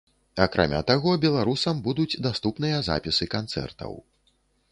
Акрамя таго беларусам будуць даступныя запісы канцэртаў.